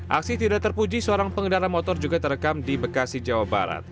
aksi tidak terpuji seorang pengendara motor juga terekam di bekasi jawa barat